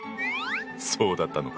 そうだったのか！